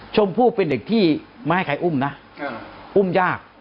ชมพู่เป็นเด็กที่ไม่ให้ใครอุ้มนะอุ้มยาก